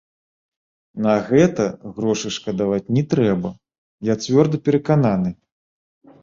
На гэта грошай шкадаваць не трэба, я цвёрда перакананы.